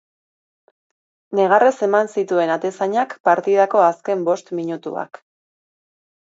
Negarrez eman zituen atezainak partidako azken bost minutuak.